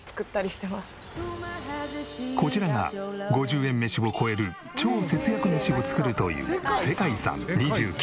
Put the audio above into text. こちらが５０円メシを超える超節約メシを作るという。